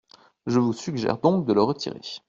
Je vous suggère donc de le retirer.